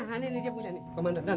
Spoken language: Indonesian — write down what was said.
ah ini dia punya